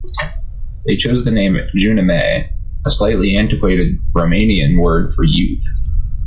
They chose the name "Junimea", a slightly antiquated Romanian word for "Youth".